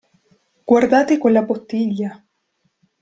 Guardate quella bottiglia!